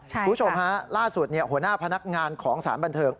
คุณผู้ชมฮะล่าสุดหัวหน้าพนักงานของสารบันเทิง